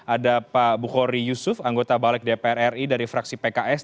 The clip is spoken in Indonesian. ada pak bukhori yusuf anggota balik dpr ri dari fraksi pks